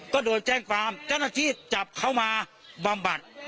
ก็โดนแจ้งความเจ้าหน้าที่จับเขามาบำบัด